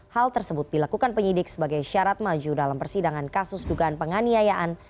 hal tersebut dilakukan penyidik sebagai syarat maju dalam persidangan kasus dugaan penganiayaan